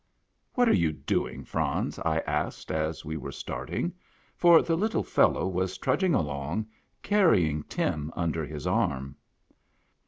"What are you doing, Franz?" I asked r.s we were starting. For the little fellow was trudging along, carrying Tim under his arm.